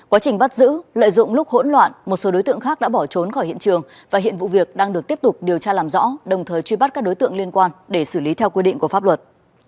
quá trình bắt giữ lợi dụng lúc hỗn loạn một số đối tượng khác đã bỏ trốn khỏi hiện trường và hiện vụ việc đang được tiếp tục điều tra làm rõ đồng thời truy bắt các đối tượng liên quan để xử lý theo quy định của pháp luật